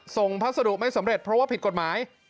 พัสดุไม่สำเร็จเพราะว่าผิดกฎหมาย